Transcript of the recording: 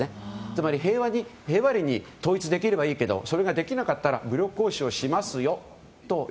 つまり平和裏に統一できればいいけどそれができなかったら武力行使をしますよと。